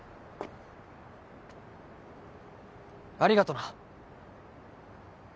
ありがとな。